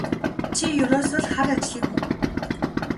Чи ерөөсөө л хар ажлын хүн.